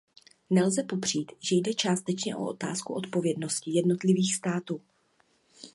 Nelze popřít, že jde částečně o otázku odpovědnosti jednotlivých států.